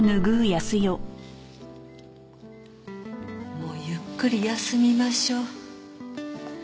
もうゆっくり休みましょう。